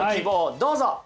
どうぞ。